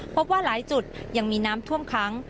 พบว่าหลายจุดยังมีน้ำท่วมค้าง